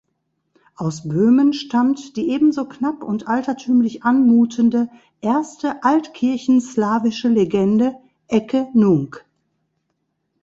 Aus Böhmen stammt die ebenso knapp und altertümlich anmutende erste altkirchenslawische Legende "Ecce nunc".